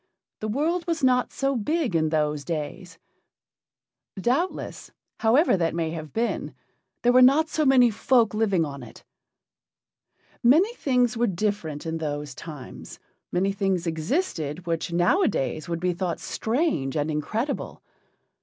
the world was not so big in those days; doubtless, however that may have been, there were not so many folk living on it. Many things were different in those times: many things existed which nowadays would be thought strange and incredible.